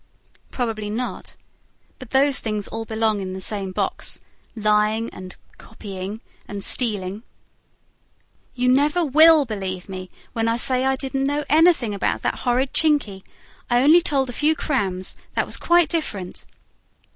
"Probably not. But those things all belong in the same box: lying, and 'copying', and stealing." "You never WILL believe me when I say I didn't know anything about that horrid Chinky. I only told a few crams that was quite different."